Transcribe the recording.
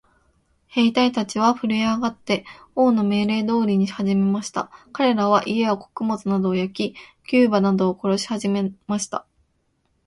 兵隊たちはふるえ上って、王の命令通りにしはじめました。かれらは、家や穀物などを焼き、牛馬などを殺しはじめました。